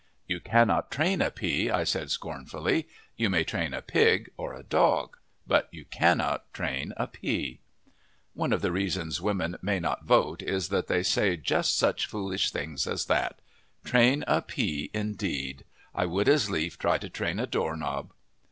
"You cannot train a pea," I said scornfully. "You may train a pig, or a dog, but you cannot train a pea." One of the reasons women may not vote is that they say just such foolish things as that! Train a pea, indeed! I would as lief try to train a doorknob!